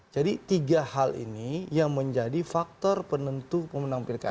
jadi tiga hal ini yang menjadi faktor penentu pemenang pilkada